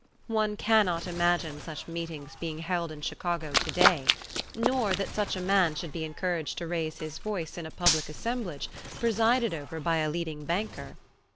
One cannot imagine such meetings being held in Chicago to day, nor that such a man should be encouraged to raise his voice in a public assemblage presided over by a leading banker.